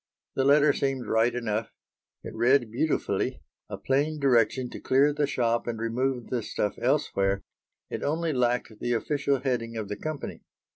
The letter seemed right enough. It read beautifully, a plain direction to clear the shop and remove the stuff elsewhere; it only lacked the official heading of the company.